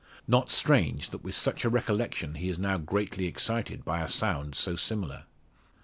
Not strange, that with such a recollection he is now greatly excited by a sound so similar!